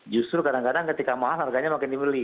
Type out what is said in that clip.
justru kadang kadang ketika mahal harganya makin dibeli